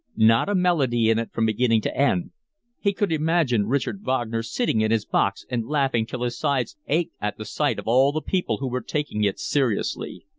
Not a melody in it from beginning to end! He could imagine Richard Wagner sitting in his box and laughing till his sides ached at the sight of all the people who were taking it seriously.